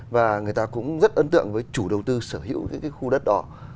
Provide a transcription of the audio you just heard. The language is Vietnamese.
và người ta cũng rất ấn tượng với chủ đầu tư sở hữu những cái khu đất đó